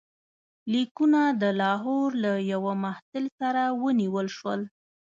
لیکونه د لاهور له یوه محصل سره ونیول شول.